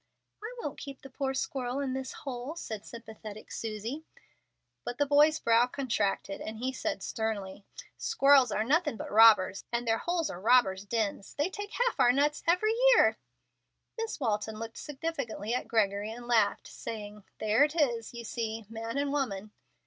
"I won't keep the poor little squirrel in his hole," said sympathetic Susie. But the boy's brow contracted, and he said, sternly: "Squirrels are nothing but robbers, and their holes are robbers' dens. They take half our nuts every year." Miss Walton looked significantly at Gregory, and laughed, saying, "There it is, you see, man and woman."